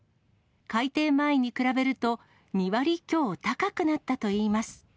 改定前に比べると、２割強高くなったといいます。